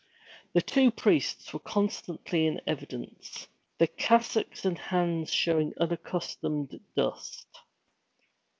The two priests were constantly in evidence, their cassocks and hands showing unaccustomed dust.